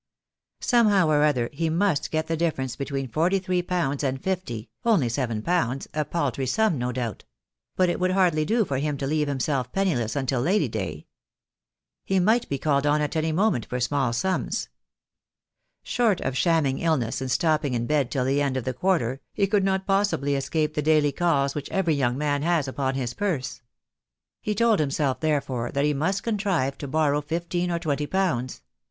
Somehow or other he must get the difference be tween forty three pounds and fifty, only seven pounds, a paltry sum, no doubt; but it would hardly do for him to leave himself penniless until Lady Day. He might be called on at any moment for small sums. Short of shamming illness and stopping in bed till the end of the quarter, he could not possibly escape the daily calls which every young man has upon his purse. He told himself, therefore, that he must contrive to borrow fifteen or twenty pounds.